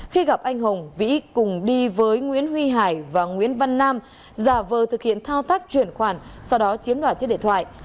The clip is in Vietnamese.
khi gặp anh hùng vĩ cùng đi với nguyễn huy hải và nguyễn văn nam giả vờ thực hiện thao tác chuyển khoản sau đó chiếm đoạt chiếc điện thoại